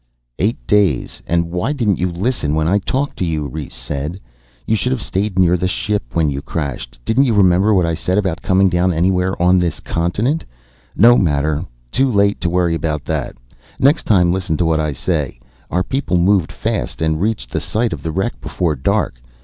"Eight days. And why didn't you listen when I talked to you?" Rhes said. "You should have stayed near the ship when you crashed. Didn't you remember what I said about coming down anywhere on this continent? No matter, too late to worry about that. Next time listen to what I say. Our people moved fast and reached the site of the wreck before dark.